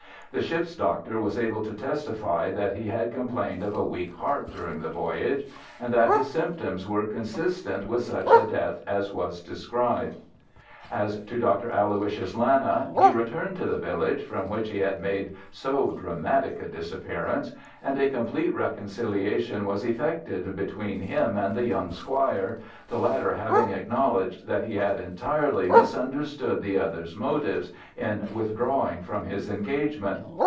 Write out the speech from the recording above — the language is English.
The ship's doctor was able to testify that he had complained of a weak heart during the voyage, and that his symptoms were consistent with such a death as was described. As to Dr. Aloysius Lana, he returned to the village from which he had made so dramatic a disappearance, and a complete reconciliation was effected between him and the young squire, the latter having acknowledged that he had entirely misunderstood the other's motives in withdrawing from his engagement.